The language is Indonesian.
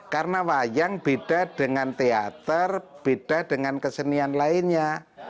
karena wayang beda dengan teater beda dengan kesenian lainnya